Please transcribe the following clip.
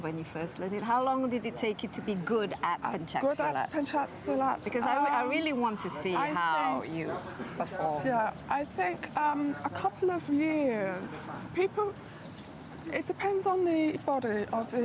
seperti anda bisa mengambil pukul dari orang